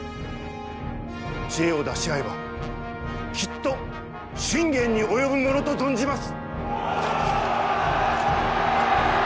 知恵を出し合えばきっと信玄に及ぶものと存じます！